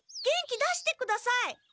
元気出してください。